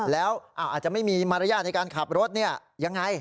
แล้วอาจจะไม่มีมารยาทในการขับรถยังไง